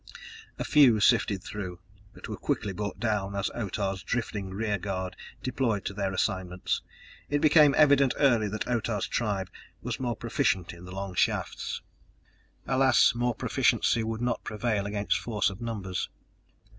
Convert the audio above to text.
A few sifted through, but were quickly brought down as Otah's drifting rear guard deployed to their assignments. It became evident early that Otah's tribe was more proficient in the long shafts! Alas, mere proficiency would not prevail against force of numbers.